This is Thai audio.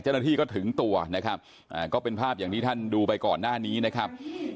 เจ้าหน้าที่ก็ถึงตัวนะครับก็เป็นภาพอย่างที่ท่านดูไปก่อนหน้านี้นะครับ